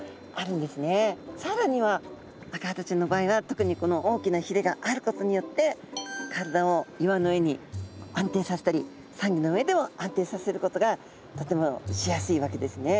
さらにはアカハタちゃんの場合は特にこの大きなひれがあることによって体を岩の上に安定させたりサンギョの上でも安定させることがとてもしやすいわけですね。